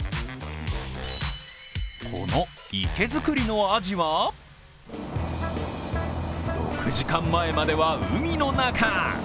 この生け作りのアジは６時間前までは、海の中。